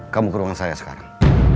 kamu ke ruang saya sekarang